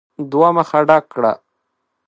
دوه مخه ډک کړه !